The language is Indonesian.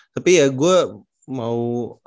tapi ya gue mau